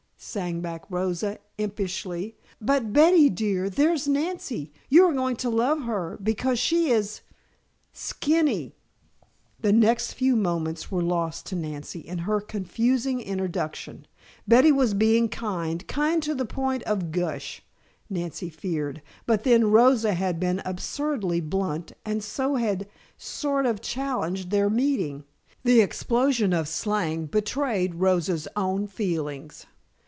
sang back Rosa, impishly. "But, Betty dear, there's Nancy. You are going to love her because she is skinny!" The next few moments were lost to Nancy in her confusing introduction. Betty was being kind, kind to the point of gush, Nancy feared, but then Rosa had been absurdly blunt and so had sort of challenged their meeting. The explosion of slang betrayed Rosa's own feelings.